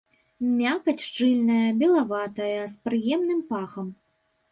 Мякаць шчыльная, белаватая, з прыемным пахам.